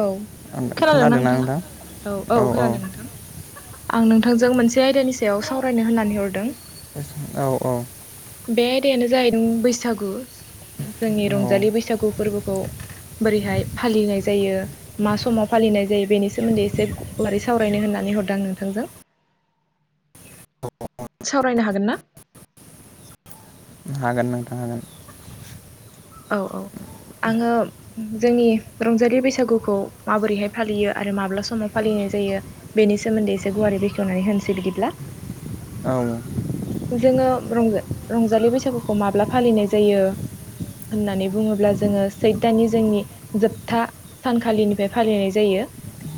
औ खोनादोंना नोंथाङा औ औ-औ औ खोनादों नोंथां आं नोंथांजों मोनसे आयदानि सायाव सावरायनो होननानै हरदों औ-औ बे आयदायानो जाहैदों बैसागु जोंनि औ रंजालि बैसागु फोरबोखौ बोरैहाय फालिनाय जायो मा समाव फालिनाय जायो बेनि सोमोन्दै एसे मारै सावरायनो होन नानै हरदों नोंथांजों सावरायनो हागोनना हागोन नोंथां हागोन औ-औ आङो जोंनि रंजालि बैसागुखौ माबोरैहाय फालियो आरो माब्ला समाव फालिना जायो बेनि सोमोन्दै एसे गुवारै बेखेवनानै होनोसै बिदिब्ला औ जोङों रंजा रंजालि बैसागुखौ माब्ला फालिनाय जायो होननानै बुङोब्ला जोङो सैथानि जोंनि जोबथा सानखालिनिफ्राय फालिनाय जायो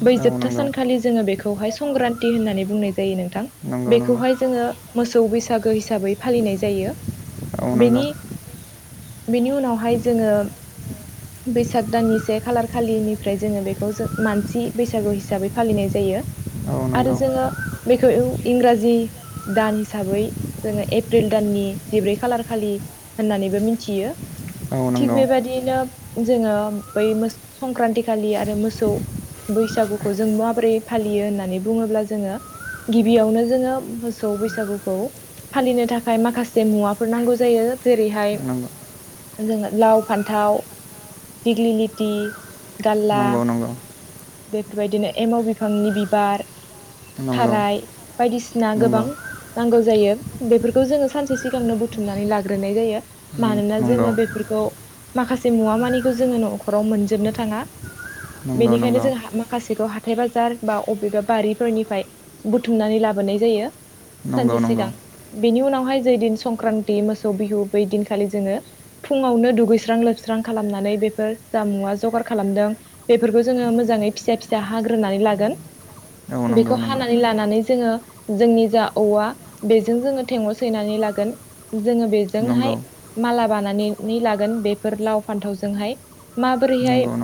बै जोबथा नंगौ सानखालि जोङो बेखौहाय संक्रान्ति होननानै बुंनाय जायो नोंथां नंगौ नंगौ मोसौ बैसागो हिसाबै फालिनाय जायो औ बेनि नंगौ बेनि उनावहाय जोङो बैसाग दाननि से खालार खालिनिफ्राय जोङो बेखौ जो मानसि बैसागु हिसाबै फालिनाय जायो बियो औ आरो नंगौ जोङो बेखौ इउ इंराजि दान हिसाबै जोङो एप्रिल दाननि नि जिब्रै खालार खालि होननानैबो मोनथियो औ थिग नंगौ बेबायादियैनो जोङो बै मोस संक्रान्ति खालि आरो मोसौ बैसागुखौ जों माबोरै फालियो होननानै बुङोब्ला जोङो गिबियावनो जोङो मोसौ बैसागुखौ फालिनो थाखाय माखासे मुवाफोर नांगौ जायो जेरैहाय जोङो लाव फान्थाव दिग्लि लिति नंगौ नंगौ बेफोरबायदिनो एमाव बिफांनि बिबार नंगौ थाराय बायदिसिना नंगौ गोबां नांगौ जायो बेफोरखौ जोङो सानसे सिगांनो बुथुमनानै लाग्रोनाय जायो मानोना नंगौ जोङो बेफोरखौ माखासे मुवा मानिखौ जोङो न'खराव मोनजोबनो थाङा नंगौ नंगौ औ बेनिखायनो जों हा माखासेखौ हा हाथाय बाजार बा अबेबा बारिफोरनिफ्राय बुथुमनानै लाबोनाय जायो नंगौ सानसे नंगौ सिगां बेनि उनावहाय जै दिन संक्रान्ति मोसौ बिहु बैदिन खालि जोङो फुङावनो दुगैस्रां लोबस्रां खालामनानै बेफोर जामुआ जगार खालामदों बेफोरखौ जोङो मोजाङै फिसा फिसा हाग्रोनानै लागोन नंगौ बेखौ हानानै लानानै जोङो जोंनि जा औवा बेजों जोङो थेंग' सैनानै ला गोन जोङो बेजोंहाय नंगौ माला बाना नै लागोन बेफोर लाव फान्थावजोंहाय माबोरैहाय नंगौ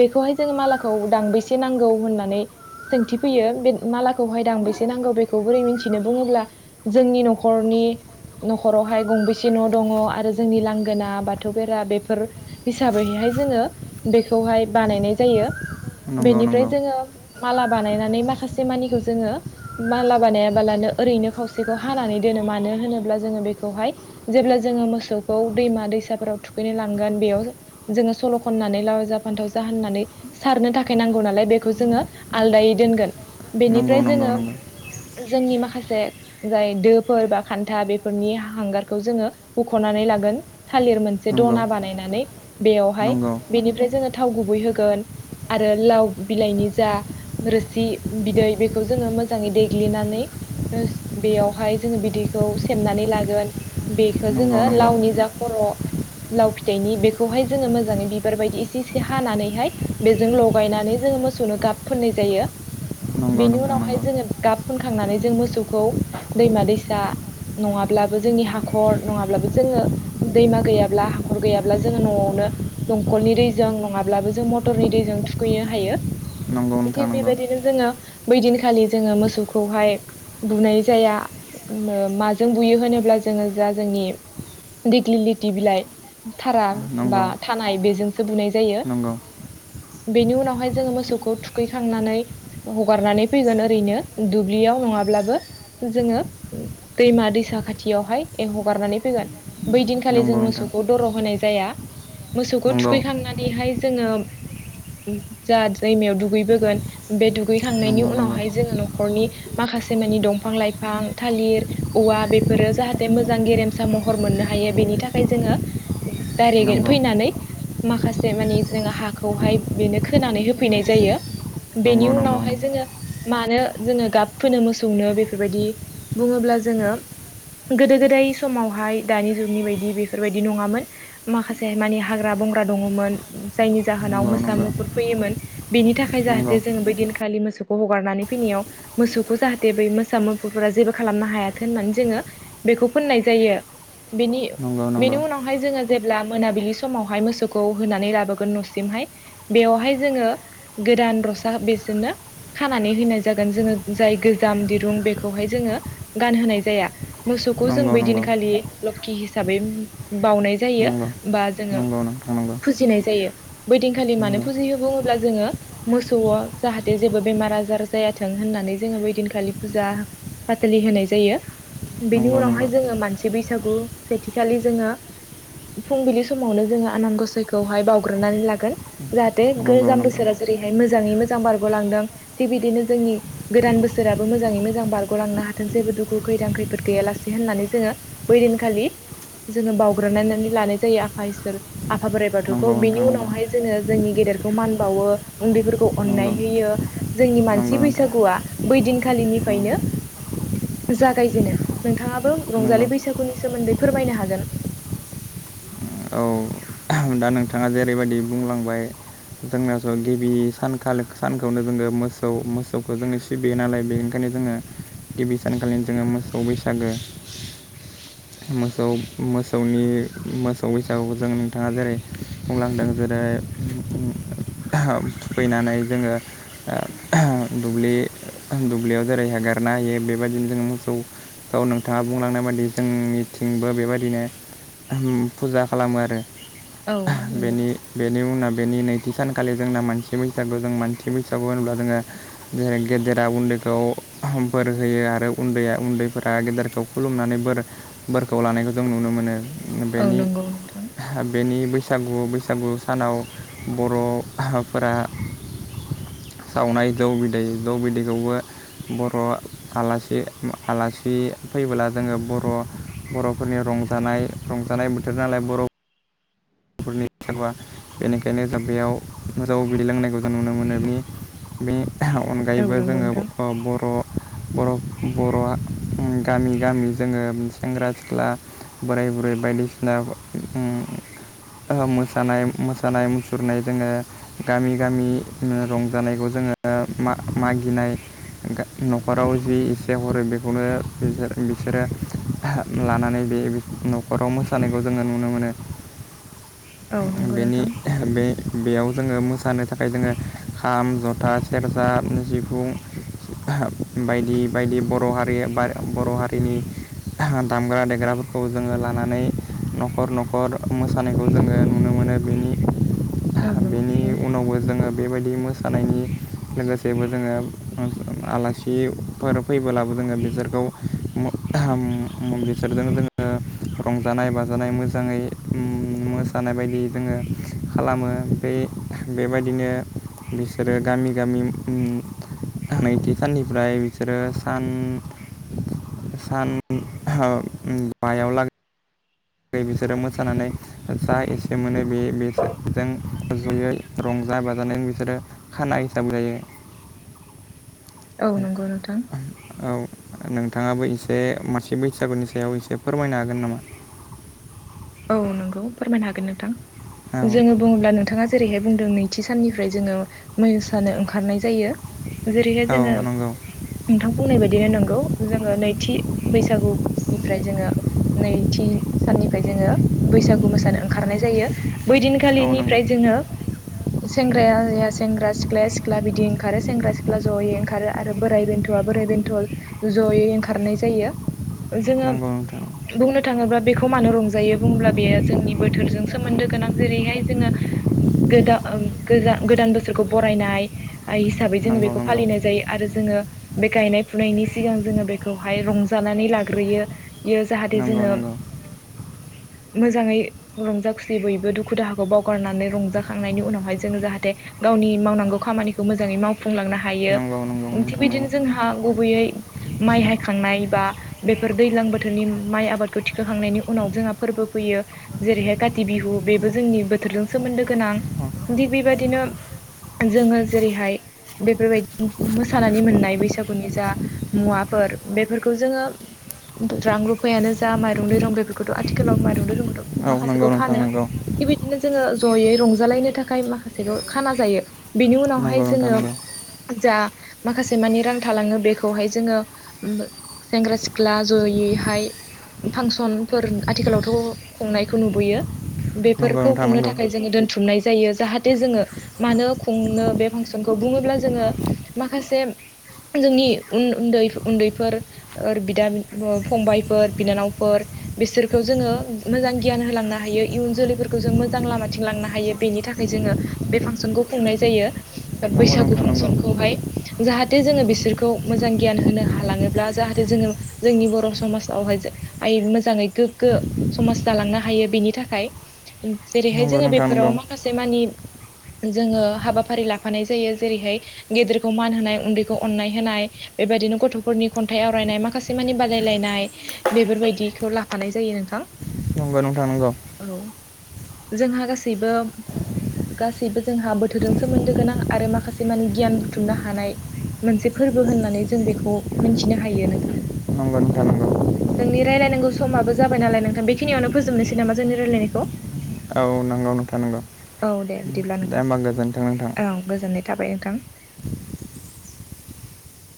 बेखौहाय जोङो मालाखौ दांबेसे नांगौ होननानै सोंथि फैयो बे मालाखौहाय दांबेसे नांगौ बेखौ बोरै मोन्थिनो बुङोब्ला जोंनि नखरनि नखरावहाय गंबोसे न' दङ आरो जोंनि लांगोना बाथौ बेरा बेफोर हिसाबैहाय जोङो बेखौ हाय बानायनाय जायो नंगौ नंगौ बेनिफ्राय जोङो माला बानायनानै माखासे मानिखौ जोङो माला बानायालाबानो ओरैनो खावसेखौ हानानै दोनो मानो होनोब्ला जोङो बेखौहाय जेब्ला जोङो मोसौखौ दैमा दैसाफोराव थुखैनो लांगोन बेयाव जोङो सल' खननानै लाउ जाब फान्थाव जा होननानै सारनो थाखाय नांगौ नालाय बेखौ जोङो आलदायै दोनगोन बेनिफ्राय नंगौ नंगौ जोङो जोंनि माखासे जाय दोफोर बा खान्था बेफोरनि हांगार खौ जोङो बुख'नानै लागोन थालिर मोन से दना बानायनानै बेयावहाय बेनिफ्राय जोङो थाव गुबै होगोन आरो लाव बिलाइनि जा रोसि बिदै बेखौ जोङो मोजाङै देग्लिनानै ओस बेयावहाय जोङो बिदैखौ सेबनानै लागोन बेखो जोङो नंगौ लाउनि जा खर' लाव फिथाइनि बेखौहाय जोङो मोजाङै बिबार बायदि एसे एसे हानानैहाय बेजों लगायना नानै जोङो मोसौनो गाब फोननाय जायो नंगौ बेनि उनावहाय जोङो गाब फुनखांनानै जों मोसौखौ दैमा दैसा नङाब्लाबो जोंनि हा खर नङाब्लाबो जोङो दैमा गैयाब्ला हाख'र गैयाब्ला जोङो न'आवनो दंकलनि दैजों जों नंङाब्लाबो जों मटरनि दैजों थुखैनो हायो नंगौ नोंथां थिग नंगौ बेबायदिनो जोङो बै दिनखालि जोङो मोसौखौहाय बुनाय जाया ओम ओ माजों बुयो होनोब्ला जो जोङो जा जोंनि दिग्लि लिति बिलाइ थारा बा नंगौ थानाय बेजोंसो बुनाय जा नंगौ बेनि उनावहाय जोङो मोसौखौ थुखैखांनानै हगारनानै फैगोन ओरैनो दुब्लियाव नङा ङाब्लाबो जोङो दैमा दैसा खाथि यावहाय हगारनानै फैगोन बैदिनखालि नंगौ जों नोंथां मोसौखौ दर' होनाय जाया। मोसौखौ नंगौ थुखैखांनानैहाय जोङो जा दैमायाव दुगैबोगोन बे दुगैखांनायनि नंगौ नंगौ उनावहाय जोङो न'खरनि माखासे माखासे मानि दंफां लाइफां थालिर औवा बे फोरो जाहाथे मोजां गेरेमसा महर मोननो हायो बेनि थाखाय जोङो दाइरेकयै नंगौ फैनानै माखासे मानि जों हाखौहाय बेनो खोनानै होफैनाय जायो। बेनि नंगौ नंगौ उनावहाय जोङो मानो जोङो गाब फोनो मोसौनो बेफोरबायदि बुङोब्ला जोङो गोदो-गोदाय समावहाय दानि जुगनि बायदि बेफोरबायदि नङामोन माखासे मानि हाग्रा बंग्रा दङमोन जायनि जाहोनाव नंगौ मोसा, नंगौ मुफुर फैयोमोन बेनि थाखाय नंगौ जाहाथे जों बै दिनखालि मोसौखौ हगारनानै फैनायाव मोसौखौ बेखौ फोननाय जायो। बेनि नंगौ बेनि नंगौ उनावहाय जोङो जेब्ला मोनाबिलि समावहाय मोसौखौ होनानै लाबोगोन न'सिमहाय बेवहाय जोङो गोदान रसा बेसोरनो खानानै होनाय जागोन जोङो जाय गोजाम दिरुं बेखौहाय जोङो गानहोनाय जाया। मोसौखौ जों नंगौ बैदिनखालि लोखखि हिसाबै बावउनाय जायो नंगौ बा जोङो नंगौ नंगौ नोंथां फुजिनाय जायो। बैदिनखालि मानो नंगौ फुजियो बुङोब्ला जोङो मोसौआव जाहाथे जेबो बे मार आजार जायाथों होननानै जोङो बैदिनखालि फुजा फाथालै होनाय जायो। बेनि नंगौ नंगौ उनावहाय जोङो मानसि बैसागु सेथिखालि जोङो फुंबिलि समावनो जोङो आनान गसाइखौहाय बावग्रोनानै लागोन जाहाथे बे नंगौ नंगौ गोजाम बोसोरा नोंथां जेरैहाय मोजांयै मोजां बारग'लांदों थिग बिदिनो जोंनि गोदान बोसोराबो मोजाङै मोजां बारग'लांनो हाथोंसै दुखु खैदां खैफोद गैयालासे होननानै जोङो बै दिनखालि जोङो बावग्रोनायनानै लानाय जायो आफा इसोर आफा बोराइ बाथौखौ नंगौ बिनि उनावहाय जोङो जोंनि गेदेरखौ मान बावो उन्दैफोरखौ अननाय नंगौ होयो जोंनि नंगौ मानसि नोंथां बैसागुआ बै दिनखालिनिफ्रायनो जागायजेनो। नोंथाङाबो नंगौ रंजालि बैसागुनि सोमोन्दै फोरमायनो हागोन। औ दा नोंथाङा जेरैबायदि बुंलांबाय जोंना ज' गिबि सानखालि सानखौनो जोङो मोसौ मोसौखौ जोङो सिबियो नालाय बेनिखायनो जोङो गिबि सानखालिनो जोङो मोसौ बैसागो मोसौ मोसौनि मोसौ बैसागुखौ जों बिथाङा जेरै बुंलांदों जेरै थुखैनानै जोङो ओ दुब्लि दुब्लियाव जेरै हगारना होयो बेबायदिनो जोङो मोसौ औ नोंथाङा बुंलांनाय बादि जोंनिथिंबो बेबायदिनो ओम फुजा खालामो आरो। औ नंगौ बेनि बेनि उनाव बेनि नैथि सानखालि जोंना मानसि बैसागु जों मानसि बैसागु होनोब्ला जोङो जेरै गेदेरा उन्दै खौ बोर होयो आरो उन्दैआ उन्दैफोरा गेदेरखौ खुलुमनानै बोर बोरखौ ला नायखौ जों नुनो मोनो। औ नंगौ नोंथां। बिनि बैसागु बैसागु सानाव बर'फोरा सावनाय जौ बिदै जौ बिदैखौबो बर' आलासि आलासि फैबोब्ला जोङो बर' बर'फोरनि रंजानाय रंजानाय बोथोर नालाय बर' बर'फोरनि फोरबोआ बेनिखायनो जों बेयाव मोजांआव दैदैलांनायखौ जों नुनो मोनोदि बेनि औ अनगायैबो नंगौ नोंथां। जोङो बर' बर' बर'आ गामि गामि जोङो सेंग्रा-सिख्ला बोराय बुरै बायदिसिना उम ओ मोसानाय मोसानाय मुसुरनाय जोङो गामि गामि रंजानायखौ जों जोङो मा मागिनाय गा न'खराव जि एसे हरो बेखौनो बिसोर बिसोरो लानानै बे बि न'खराव मोसानायखौ जोङो नुनो मोनो। औ नंगौ बेनि नोंथां बे बेयाव जोङो मोसानो थाखाय जोङो खाम, जथा, सेरजा, जिफुं, बायदि बायदि बर' हारि बा बर' हारिनि दामग्रा-देग्राफोरखौ जोङो लानानै न'खर न'खर मो सानायखौ जोङो नुनो मोनो। बेनि औ नंगौ बेनि नोंथां उनावबो जोङो बेबायदि मो सानायनि लोगोसेबो जोङो आलासिफोर फैबोलाबो जोङो बिसोरखौ खौ मो म-म बेसोरजों जोङो रंजानाय बाजानाय मोजाङै मोसानाय बायदि जोङो खालामो। बे बेबायदिनो बिसोरो गामि गामि नैथि साननिफ्राय बिसोरो सान सान बायाव ला बिसोरो मोसानानै जा एसे मोनो बे-बेसजों जयै रं जा बाजानानै बिसोरो खाना हिसाब जायो। औ। नंगौ नोंथां नोंथाङाबो एसे मासे बैसागुनि सायाव एसे फोरमायनो हागोन नामा? औ नंगौ फोरमायनो हागोन नोंथां। औ जोङो बुङोब्ला नोंथाङा जेरैहाय बुंदों नै थि साननिफ्राय जोङो मैयोसानो ओंखारनाय जायो। जेरैहाय औ जोङो नंगौ नोंथां बुंनाय बायदिनो नोंगौ। जोङो नै थि बैसागुनिफ्राय जोङो नैथि साननिफ्राय जोङो बैसागु मोसानो ओंखारनाय जायो। बै औ नंगौ दिनखालिनिफ्राय जोङो सेंग्रायाया सेंग्रा सिख्लाया सिख्ला बिदि ओंखारो सेंग्रा सिख्ला ज'यै ओंखारो आरो बोराय बेन्थ' बा बोराय बेन्थ' ज'यै ओंखारनाय जायो। जोङो नंगौ नोंथां बुंनो थाङोब्ला बेखौ मानो रंजायो बुंब्ला बेयो जोंनि बोथोरजों सोमोन्दो गोनां जेरैहाय जोङो गोदा गोजा गो दान बोसोरखौ बरायनाय हिसाबै जोङो नंगौ बेखौ नंगौ फालिनाय जायो आरो जोङो बे गायनाय फुनायनि सि गां जोङो बेखौहाय रंजानानै लाग्रोयो। यो जाहाथे नंगौ जोङो [inaudible] मोजाङै रंजा खुसि बयबो दुखु दाहाखौ बावगारनानै रंजाखांनायनि उनावहाय जोंङो जाहाथे गावनि मावनांगौ खामानिखौ मोजाङै मावफुंलांनो हायो। नंगौ नंगौ थिग नोंथां नंगौ बिदिनो जोंहा गुबैयै माइ हायखांनाय बा बेफोर दैलां बोथोरनि माइ आबादखौ थिखोखांनायनि उनाव जोंहा फोरबो फैयो। जेरैहाय काथि बिहु बेबो जोंनि बोथोरजों सोमोन्दो गोनां। थिग बेबायदिनो जोङो जेरैहाय बेफोरबायदि मोसानानै मोननाय बैसागुनि जा मुवाफोर बेफोरखौ जोङो रां रुफायानो जा माइरं दैरं बेफोरखौथ' आथि [unintelligible] औ नंगौ माखासेखौ नोंथां फानो। नंगौ थिग बिदिनो जोङो ज'यै रंजालायनो थाखाय माखासेखौ खाना जायो। बेनि उनावहाय नंगौ नोंथां जोङो नंगौ जा माखासे मानि रां थालाङो बेखौहाय जोङो सेंग्रा सिख्ला ज'यैहाय फांसनफोर आथिखालावथ' खुंनायखौ नुबोयो। नंगौ बेफोरखौ नोंथां खुंनो थाखाय जोङो दोनथुमनाय जायो। जाहाथे जोङो मानो खुंनो बे फांसनखौ बुङोब्ला जोङो माखासे जोंनि उन-उन्दै उन्दैफोर ओर बिदा फंबायफोर बिनानावफोर बिसोर खौ जोङो मोजां गियान होलांनो हायो, इयुन जोलैफोरखौ जों मोजां लामाथिं लांनो हायो, बेनि थाखाय जोङो बे फांसनखौ खुंनाय जायो। बैसागु नंगौ फांसनखौहाय जाहाथे जोङो बिसोरखौ मोजां गियान होनो हालाङोब्ला जाहाथे जोङो जोंनि बर' समाजावहाय आइ मोजाङै गोग गो समाज जालांनो हायो बेनि थाखाय जेरैहाय नंगौ जोङो नोंथां बेफोराव नंगौ माखासेमानि [inaudible] जोङो हाबाफारि लाफानाय जायो जेरैहाय गेदेरखौ मान होनाय उन्दैखौ अननाय होनाय बेबा बिदिनो गथ'फोरनि खन्थाइ आवरायनाय माखासे मानि बादायलायनाय बेफोरबायदिखौ लाफानाय। जायो नोंथां। नंगौ नोंथां नंगौ। औ जोंहा गासैबो गासैबो जोंहा बोथोरजों सोमोन्दो गोनां आरो माखासे मानि गियान बुथुमनो हानाय। मोनसे फोरबो होननानै जों बेखौ मिनथिनो हायो नोंथां। नंगौ नोंथां नंगौ जोंनि रायलायनांगौ समाबो जाबाय नालाय नोंथां बेखिनियावनो फोजोबनोसै नामा जोंनि रायलायनायखौ। औ नंगौ नोंथां नंगौ। औ दे बिदिब्ला दे नोंथां होमबा गोजोन्थों नोंथां औ गोजोननाय थाबाय नोंथां